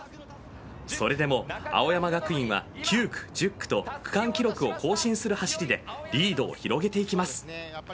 それでも青山学院は９区、１０区と区間記録を更新する走りでリードを広げていきます。